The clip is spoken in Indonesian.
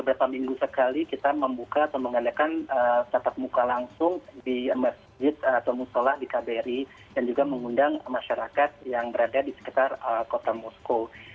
beberapa minggu sekali kita membuka atau mengadakan tatap muka langsung di masjid atau musola di kbri dan juga mengundang masyarakat yang berada di sekitar kota moskow